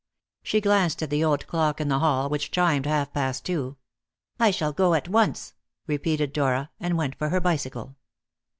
She glanced at the old clock in the hall, which chimed half past two. "I shall go at once," repeated Dora, and went for her bicycle.